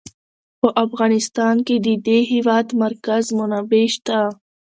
په افغانستان کې د د هېواد مرکز منابع شته.